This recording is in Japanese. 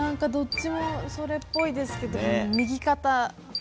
どっちもそれっぽいですけど右肩！